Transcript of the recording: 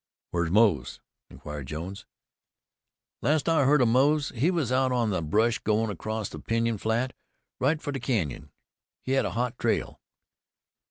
"Where's Moze?" inquired Jones. "The last I heard of Moze he was out of the brush, goin' across the pinyon flat, right for the canyon. He had a hot trail."